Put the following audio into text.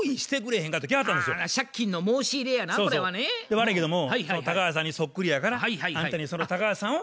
悪いんけども高橋さんにそっくりやからあんたにその高橋さんを。